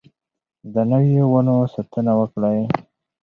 د نويو ونو ساتنه وکړئ.